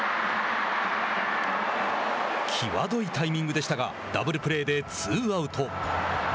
際どいタイミングでしたがダブルプレーでツーアウト。